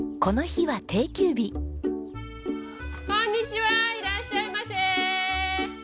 こんにちはいらっしゃいませ。